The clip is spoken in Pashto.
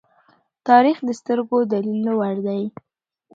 تاریخ د سترگو د لیدلو وړ دی.